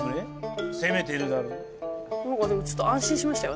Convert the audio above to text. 何かでもちょっと安心しましたよ